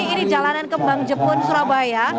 ini jalanan kembang jepun surabaya